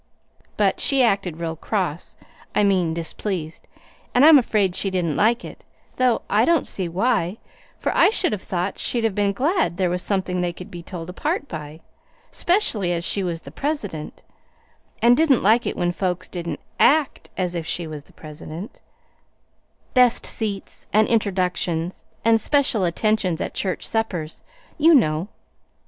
But she acted real cross I mean displeased, and I'm afraid she didn't like it though I don't see why; for I should have thought she'd been glad there was something they could be told apart by, 'specially as she was the president, and didn't like it when folks didn't ACT as if she was the president best seats and introductions and special attentions at church suppers, you know.